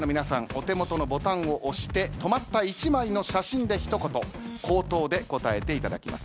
お手元のボタンを押して止まった１枚の写真で一言口頭で答えていただきます。